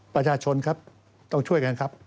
ประชาชนครับต้องช่วยกันครับ